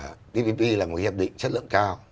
cái thứ hai tpp là một hiệp định chất lượng cao